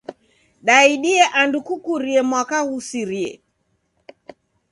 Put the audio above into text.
Daidie andu kukurie mwaka ghusirie.